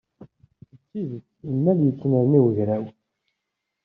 D tidet, s imal yettnerni wegraw.